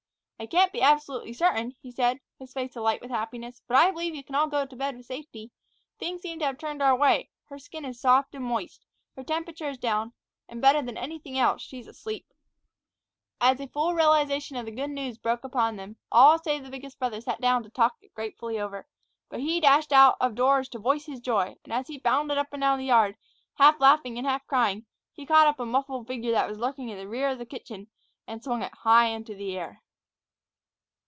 "I can't be absolutely certain," he said, his face alight with happiness, "but I believe you can all go to bed with safety. Things seem to have turned our way: her skin is soft and moist, her temperature is down, and, better than anything else, she's asleep." As a full realization of the good news broke upon them, all save the biggest brother sat down to talk it gratefully over. But he dashed out of doors to voice his joy, and, as he bounded up and down the yard, half laughing and half crying, he caught up a muffled figure that was lurking in the rear of the kitchen and swung it high into the air.